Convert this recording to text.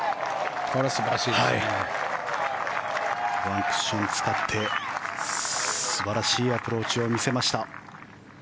ワンクッション使って素晴らしいアプローチを見せました。